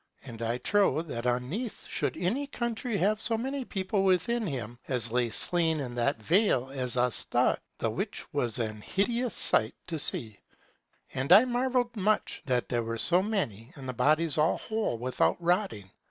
And I trow, that unnethe should any country have so much people within him, as lay slain in that vale as us thought, the which was an hideous sight to see. And I marvelled much, that there were so many, and the bodies all whole without rotting.